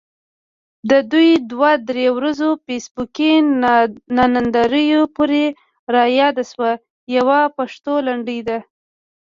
د دې دوه درې ورځو فیسبوکي ناندريو پورې رایاده شوه، يوه پښتو لنډۍ ده: